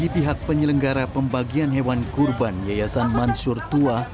pihak penyelenggara pembagian hewan kurban yayasan mansur tua